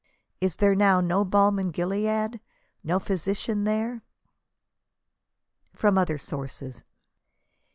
Is there now no balm in Gilead, no physician there? FROM OTHER SOURCES.